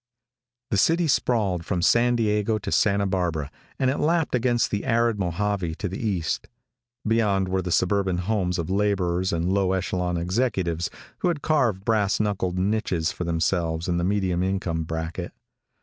The city sprawled from San Diego to Santa Barbara, and it lapped against the arid Mojave to the east. Beyond were the suburban homes of laborers and low echelon executives who had carved brass knuckled niches for themselves in the medium income bracket.